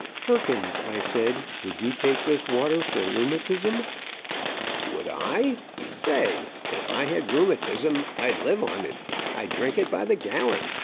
"Perkins," I said, "would you take this water for rheumatism?" "Would I? Say! If I had rheumatism I'd live on it. I'd drink it by the gallon.